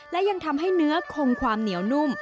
และยังทำให้เนื้อคงความเหนียวนุ่ม